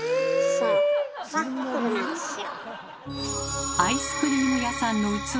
そうワッフルなんですよ。